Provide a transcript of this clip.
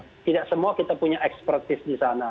tentunya kan tidak semua kita punya ekspertis di sana